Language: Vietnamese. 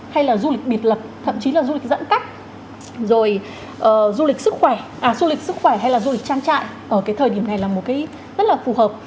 hay là du lịch biệt lập thậm chí là du lịch dẫn tắp rồi du lịch sức khỏe du lịch sức khỏe hay là du lịch trang trại ở cái thời điểm này là một cái rất là phù hợp